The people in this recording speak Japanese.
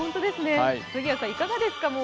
杉谷さん、いかがですか？